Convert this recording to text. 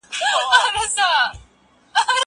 زه لوبه کړې ده!؟